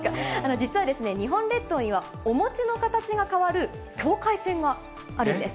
実は日本列島には、お餅の形が変わる、境界線があるんです。